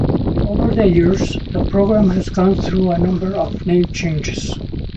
Over the years, the program has gone through a number of name changes.